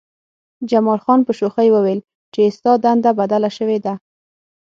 جمال خان په شوخۍ وویل چې ستا دنده بدله شوې ده